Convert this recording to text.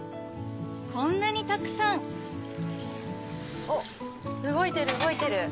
こんなにたくさんおっ動いてる動いてる。